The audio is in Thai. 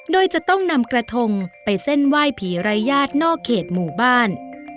โดยจะต้องนำกระทงไปเส้นไหว้ผีไร้ญาตินอกเขตหมู่บ้าน